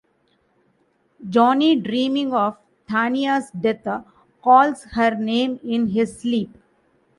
Johnny, dreaming of Tanya's death, calls her name in his sleep.